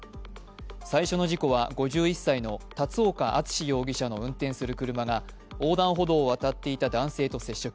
最初の事故は５１歳の立岡淳容疑者の運転する車が横断歩道を渡っていた男性と接触。